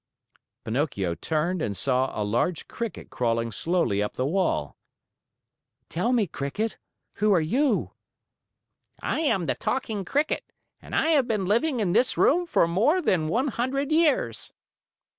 Pinocchio turned and saw a large cricket crawling slowly up the wall. "Tell me, Cricket, who are you?" "I am the Talking Cricket and I have been living in this room for more than one hundred years."